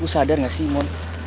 lo sadar gak sih mon